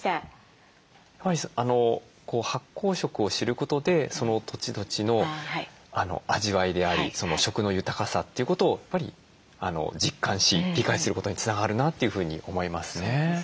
発酵食を知ることでその土地土地の味わいであり食の豊かさということをやっぱり実感し理解することにつながるなというふうに思いますね。